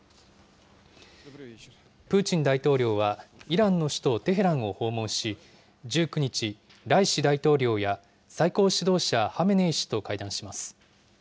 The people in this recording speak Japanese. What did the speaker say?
プーチン大統領はイランの首都テヘランを訪問し、１９日、ライシ大統領や最高指導者ハメネイ師と会談します。